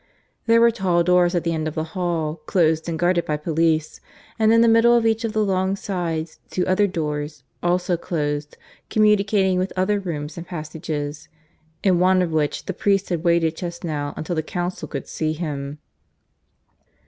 There were tall doors at the end of the hall, closed and guarded by police, and in the middle of each of the long sides two other doors, also closed, communicating with other rooms and passages, in one of which the priest had waited just now until the Council could see him.